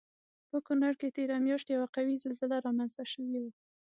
په کنړ کې تېره میاشت یوه قوي زلزله رامنځته شوی وه